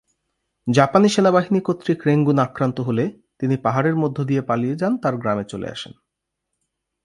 জাপানি সেনাবাহিনী কর্তৃক রেঙ্গুন আক্রান্ত হলে, তিনি পাহাড়ের মধ্য দিয়ে পালিয়ে যান তার গ্রামে চলে আসেন।